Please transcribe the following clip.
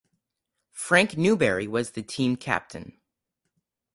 Frank Newberry was the team captain.